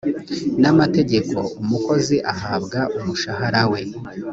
n amategeko umukozi ahabwa umushahara we